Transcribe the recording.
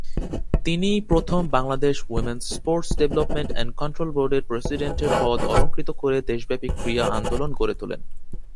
তিনিই প্রথম Bangladesh women's sports development and control বোর্ডের প্রেসিডেন্টের পদ অলংকৃত করে দেশব্যাপী ক্রীড়া আন্দোলন গড়ে তোলেন।